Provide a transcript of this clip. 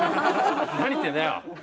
何言ってんだよ！